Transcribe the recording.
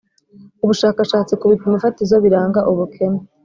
ubushakashatsi ku bipimo fatizo biranga ubukene